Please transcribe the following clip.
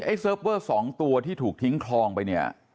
เซิร์ฟเวอร์๒ตัวที่ถูกทิ้งคลองไปเนี่ย